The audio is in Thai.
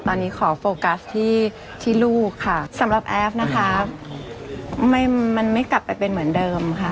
ตอนนี้ขอโฟกัสที่ที่ลูกค่ะสำหรับแอฟนะคะไม่มันไม่กลับไปเป็นเหมือนเดิมค่ะ